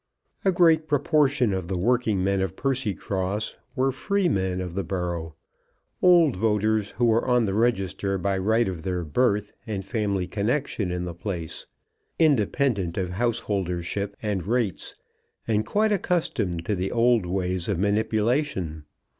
A great proportion of the working men of Percycross were freemen of the borough, old voters who were on the register by right of their birth and family connection in the place, independent of householdership and rates, and quite accustomed to the old ways of manipulation.